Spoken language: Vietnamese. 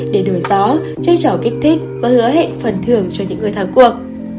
để đổi gió chơi trò kích thích và hứa hẹn phần thường cho những người thắng cuộc